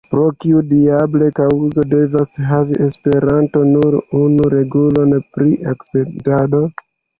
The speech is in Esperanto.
Pro kiu diabla kaŭzo devas havi Esperanto nur unu regulon pri akcentado?